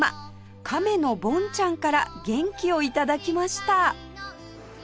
亀のボンちゃんから元気を頂きました